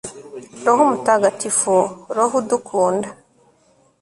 roho mutagatifu, roho udukunda